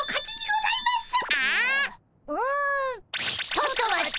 ちょっと待った。